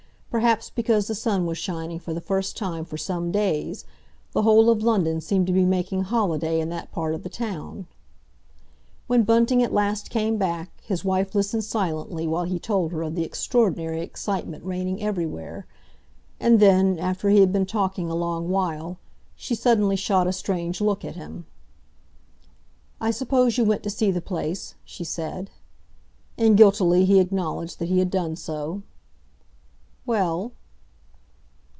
Perhaps because the sun was shining for the first time for some days, the whole of London seemed to be making holiday in that part of the town. When Bunting at last came back, his wife listened silently while he told her of the extraordinary excitement reigning everywhere. And then, after he had been talking a long while, she suddenly shot a strange look at him. "I suppose you went to see the place?" she said. And guiltily he acknowledged that he had done so. "Well?"